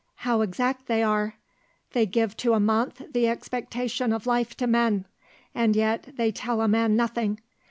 How exact they are: they give to a month the expectation of life to men; and yet they tell a man nothing.